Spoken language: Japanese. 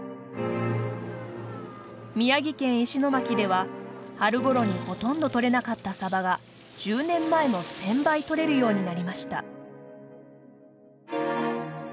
宮城県石巻では春ごろにほとんど取れなかったサバが１０年前の１，０００倍取れるようになりました。